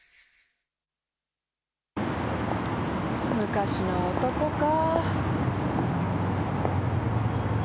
昔の男か。